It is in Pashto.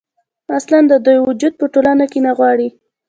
اصـلا د دوي وجـود پـه ټـولـنـه کـې نـه غـواړي.